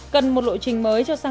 cần một lộ trình mới cho sang